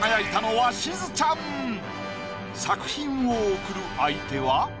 作品を送る相手は？